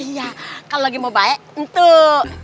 iya kalo lagi mau baik ntuk